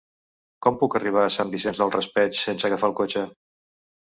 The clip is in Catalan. Com puc arribar a Sant Vicent del Raspeig sense agafar el cotxe?